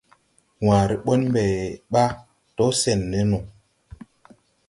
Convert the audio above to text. Waare ɓɔn mbe ɓaa do sen ne no.